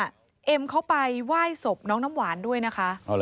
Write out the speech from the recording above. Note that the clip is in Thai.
น้องน้ำหวานเข้าไปไหว้ศพน้องน้ำหวานด้วยนะคะ